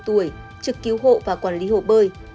trực cứu hộ và quản lý hồ bơi